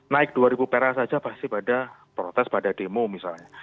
naik dua ribu perak saja pasti pada protes pada demo misalnya